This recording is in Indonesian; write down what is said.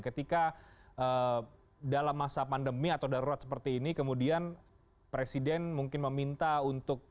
ketika dalam masa pandemi atau darurat seperti ini kemudian presiden mungkin meminta untuk